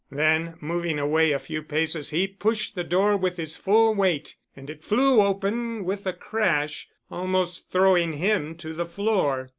Then moving away a few paces he pushed the door with his full weight and it flew open with a crash, almost throwing him to the floor.